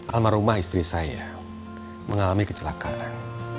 almarhumah istri saya mengalami kecelakaan